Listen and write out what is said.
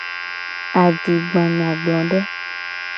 Adigbanyagblode.